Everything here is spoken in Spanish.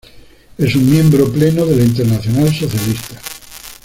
Es un miembro pleno de la Internacional Socialista.